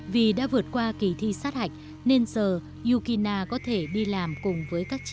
vì đã vượt qua kỳ thi sát hạch nên giờ yukina có thể đi làm cùng với các chị